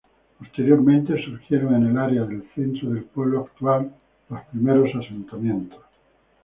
Posteriormente, surgieron en el área del centro del pueblo actual, los primeros asentamientos.